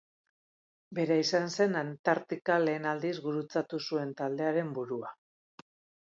Bera izan zen Antartika lehen aldiz gurutzatu zuen taldearen burua.